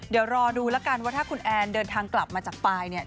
เดี๋ยวรอดูแล้วกันว่าถ้าคุณแอนเดินทางกลับมาจากปลายเนี่ย